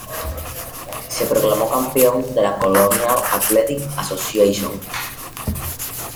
Se proclamó campeón de la Colonial Athletic Association.